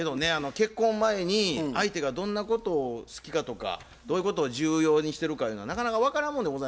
結婚前に相手がどんなことを好きかとかどういうことを重要にしてるかゆうのはなかなか分からんもんでございまして。